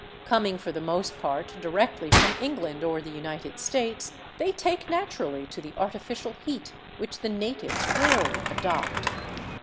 Coming, for the most part, directly from England or the United States, they take naturally to the artificial heat which the natives rarely adopt.